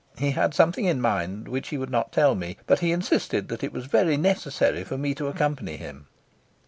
He had something in mind which he would not tell me, but he insisted that it was very necessary for me to accompany him.